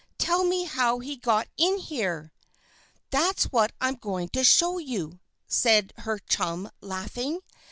"Tell me how he got in here?" "That's what I am going to show you," said her chum, laughing.